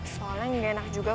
soalnya gak enak juga